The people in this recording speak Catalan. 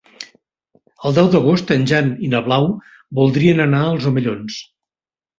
El deu d'agost en Jan i na Blau voldrien anar als Omellons.